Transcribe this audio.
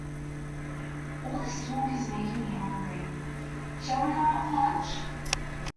All this talk is making me hungry, shall we go out for lunch?